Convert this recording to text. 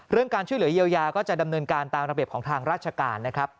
การช่วยเหลือเยียวยาก็จะดำเนินการตามระเบียบของทางราชการนะครับ